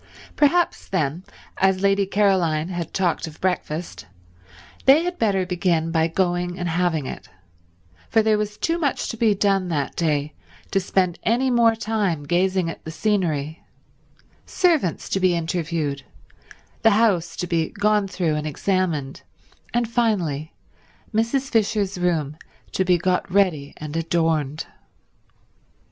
Perhaps, then, as Lady Caroline had talked of breakfast, they had better begin by going and having it, for there was too much to be done that day to spend any more time gazing at the scenery—servants to be interviewed, the house to be gone through and examined, and finally Mrs. Fisher's room to be got ready and adorned.